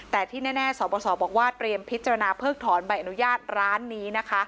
แต่ที่แน่สบสบอกว่าเตรียมพิจารณาเพิกถอนใบอนุญาตร้านนี้นะคะ